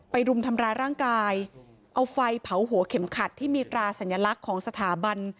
รุมทำร้ายร่างกายเอาไฟเผาหัวเข็มขัดที่มีตราสัญลักษณ์ของสถาบัน